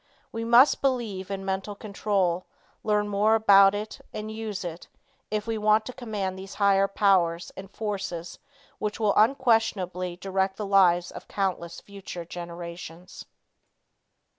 We must believe in mental control, learn more about it, and use it, if we want to command these higher powers and forces which will unquestionably direct the lives of countless future generations.